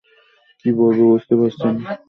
কী বলব বুঝতে পারছি না।